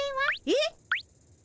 えっ？